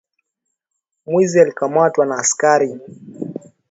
Mwizi alikamatwa na askari.